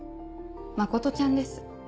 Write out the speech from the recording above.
真ちゃんです。